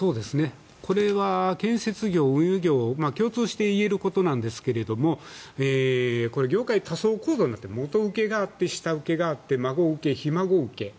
これは建設業、運輸業共通して言えることなんですが業界、多層構造になっていて元請けがあって、下請けがあって孫請け、ひ孫請け。